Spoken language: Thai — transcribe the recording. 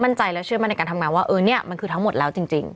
มั่นใจและเชื่อมั่นในการทำงานว่าเออเนี่ยมันคือทั้งหมดแล้วจริง